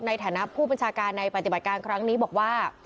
ในฐานะผู้บัญชาการในปฏิบัติการครั้งนี้บอกว่า